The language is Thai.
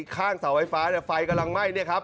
ข้างเสาไฟฟ้าไฟกำลังไหม้